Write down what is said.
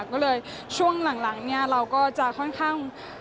ก็เลยช่วงหลังเราก็จะค่อนข้าง